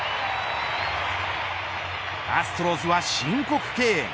アストロズは申告敬遠。